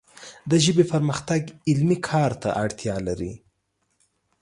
د ژبې پرمختګ علمي کار ته اړتیا لري